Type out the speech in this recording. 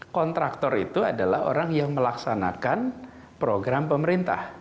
kontraktor itu adalah orang yang melaksanakan program pemerintah